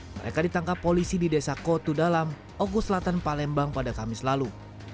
mereka ditangkap polisi di desa kotu dalam ogo selatan palembang pada kamis lalu